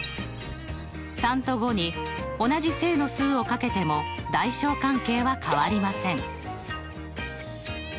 ３と５に同じ正の数を掛けても大小関係は変わりません。